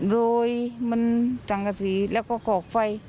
โรยมันสังกษีแล้วก็กอกไฟ